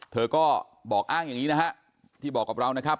เธอก็บอกอ้างอย่างนี้นะฮะที่บอกกับเรานะครับ